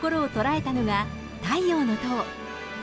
藤井さんの心を捉えたのが太陽の塔。